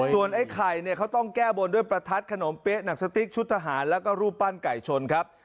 ส่วนไอ้ไข่เนี่ยเขาต้องแก้บนด้วยประทัดขนมเป๊ะหนังสติ๊กชุดทหารแล้วก็รูปปั้นไก่ชนครับ